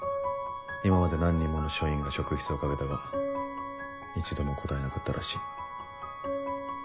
今まで何人もの署員が職質をかけたが一度も答えなかったらしい。